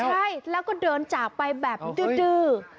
ใช่แล้วก็เดินจากไปแบบดื้อ